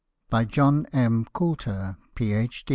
JOHN M. COULTER, Ph.